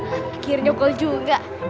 akhirnya gol juga